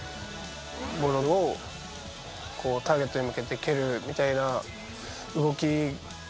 ボールをターゲットに向けて蹴るみたいな動き。